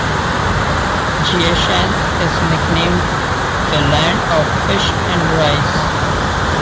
Jiashan is nicknamed "The Land of Fish and Rice".